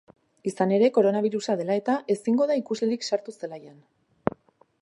Izan ere, koronabirusa dela eta, ezingo da ikuslerik sartu zelaian.